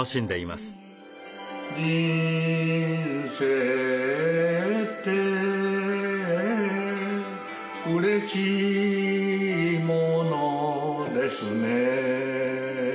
「人生ってうれしいものですね」